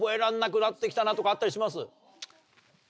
あったりします？